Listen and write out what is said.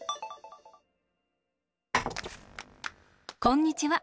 こんにちは。